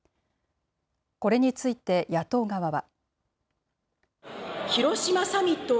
これについて野党側は。